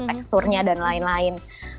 teksturnya dan lain lain